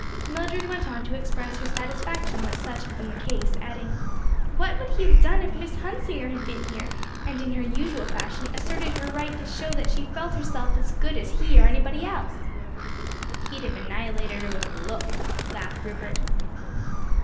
Mildred went on now to express her satisfaction that such had been the case, adding, "What would he have done if Miss Hunsinger had been here, and in her usual fashion asserted her right to show that she felt herself as good as he or anybody else?" "He'd have annihilated her with a look," laughed Rupert.